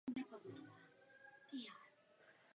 Obec se začala znovu rozvíjet.